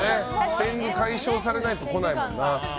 天狗解消されないと来ないもんな。